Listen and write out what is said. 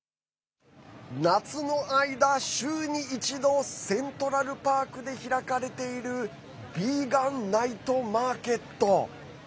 夏の間、週に１度セントラルパークで開かれているビーガン・ナイト・マーケット。